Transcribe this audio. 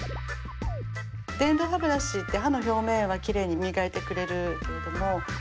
電動歯ブラシって歯の表面はきれいに磨いてくれるけれども。